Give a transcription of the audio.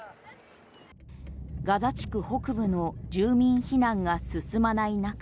ガザ地区北部の住民避難が進まない中